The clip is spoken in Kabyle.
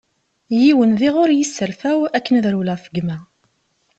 Yiwen diɣ ur yi-serfaw akken ad rewleɣ ɣef gma.